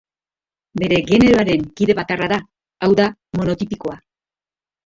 Bere generoaren kide bakarra da, hau da, monotipikoa.